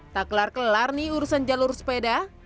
tak kelar kelar nih urusan jalur sepeda